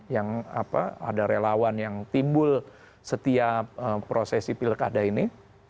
yang apa ada relawan yang timbul setiap prosesi pilkada ini